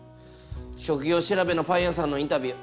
職業調べのパン屋さんのインタビュー